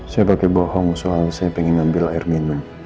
saya pakai bohong soal saya pengen ngambil air minum